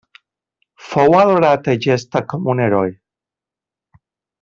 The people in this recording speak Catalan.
Fou adorat a Egesta com un heroi.